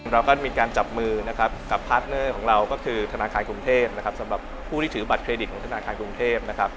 เราก็มีการจับมือนะครับกับพาร์ทเนอร์ของเราก็คือธนาคารกรุงเทพนะครับสำหรับผู้ที่ถือบัตรเครดิตของธนาคารกรุงเทพนะครับ